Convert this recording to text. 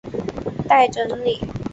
待整理